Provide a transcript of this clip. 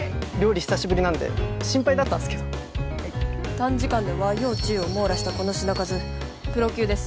短時間で和洋中を網羅したこの品数プロ級です。